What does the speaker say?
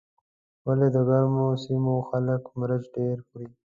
ولې د ګرمو سیمو خلک مرچ ډېر خوري.